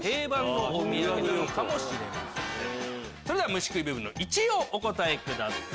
虫食い部分の１位をお答えください。